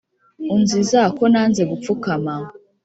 unziza ko nanze gupfukama